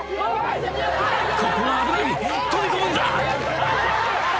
ここは危ない、飛び込むんだ！